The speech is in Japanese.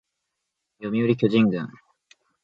読売巨人軍